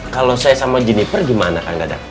kalau saya sama jennifer gimana kang dadang